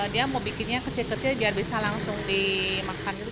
dia mau bikinnya kecil kecil biar bisa langsung dimakan dulu